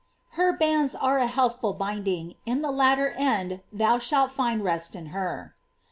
107 "Her bands are a healthful binding; in the latter end thou shalt find rest in her."